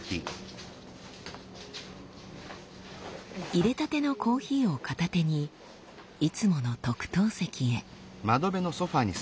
いれたてのコーヒーを片手にいつもの特等席へ。